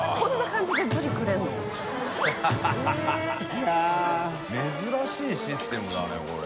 い筺繊珍しいシステムだねこれ。